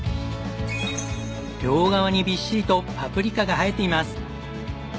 両側にびっしりとパプリカが生えています。